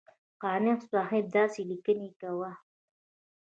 قانع صاحب داسې لیکنې کوه.